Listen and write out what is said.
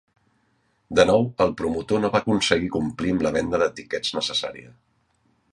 De nou, el promotor no va aconseguir complir amb la venda de tickets necessària.